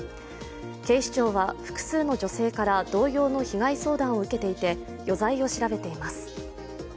警視庁は複数の女性から同様の被害相談を受けていて余罪を調べています。